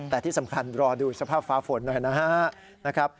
แต่ที่สำคัญรอดูสภาพฟ้าฝนหน่อยนะครับ